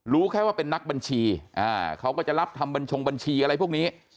รู้แค่ว่าเป็นนักบัญชีเขาก็จะรับทำบัญชงบัญชีอะไรพวกนี้